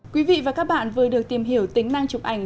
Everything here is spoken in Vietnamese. quý vị và các bạn vừa được tìm hiểu tính năng chụp ảnh